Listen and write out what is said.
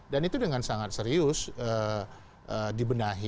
dan itu dengan sangat serius dibenahi